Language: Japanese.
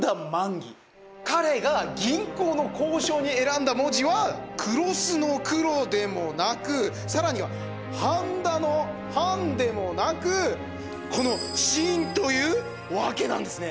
彼が銀行の行章に選んだ文字は黒須の「黒」でもなく更には繁田の「繁」でもなくこの「信」というわけなんですね。